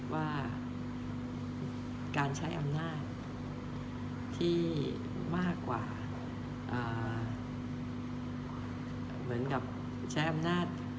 ว่าการใช้อำนาจที่มากกว่าเหมือนกับใช้อำนาจ